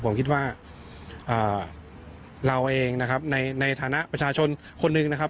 ผมคิดว่าเราเองนะครับในฐานะประชาชนคนหนึ่งนะครับ